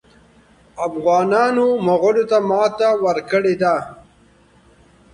افغانانو مغولو ته ماته ورکړې ده.